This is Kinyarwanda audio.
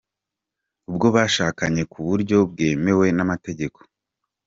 Uwo bashakanye ku buryo bwemewe n’amategeko,.